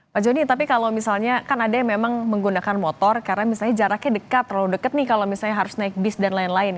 pak joni tapi kalau misalnya kan ada yang memang menggunakan motor karena misalnya jaraknya dekat terlalu dekat nih kalau misalnya harus naik bis dan lain lain